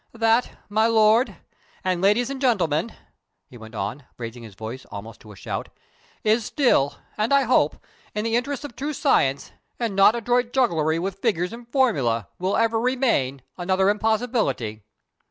That, my Lord, and ladies, and gentlemen," he went on, raising his voice almost to a shout, "is still, and, I hope, in the interests of true science, and not adroit jugglery with figures and formulæ, will ever remain, another impossibility.